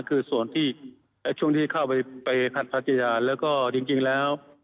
คือส่วนที่ช่วงที่เข้าไปหัดพัทยาแล้วก็จริงแล้ว